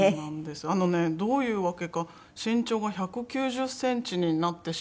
あのねどういうわけか身長が１９０センチになってしまって。